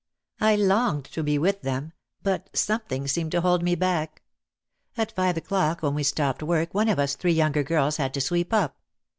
I longed to be with them, but something seemed to hold me back. At five o'clock when we stopped work one of us three younger girls had to sweep up.